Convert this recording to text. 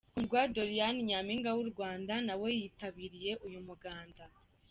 Kundwa Doriane , Nyampinga w’u Rwanda nawe yitabiriye uyu muganda.